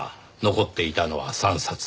残っていたのは３冊。